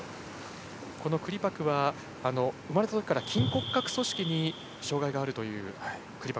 このクリパクは生まれたときから筋骨格組織に障がいがあるという。